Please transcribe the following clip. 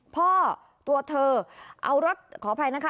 ตัวเธอเอารถขออภัยนะคะ